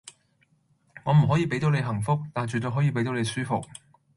我唔可以俾到你幸福，但絕對可以俾到你舒服